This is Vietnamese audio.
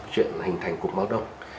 chuyện hình thành cục máu đông